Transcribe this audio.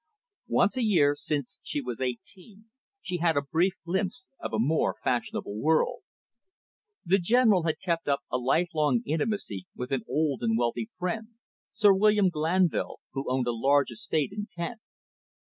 Once a year, since she was eighteen, she had a brief glimpse of a more fashionable world. The General had kept up a life long intimacy with an old and wealthy friend, Sir William Glanville, who owned a large estate in Kent.